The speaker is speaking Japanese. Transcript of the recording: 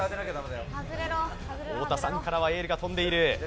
太田さんからはエールが飛んでいる。